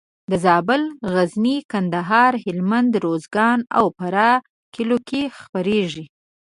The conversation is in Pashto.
د زابل، غزني، کندهار، هلمند، روزګان او فراه کلیو کې خپرېږي.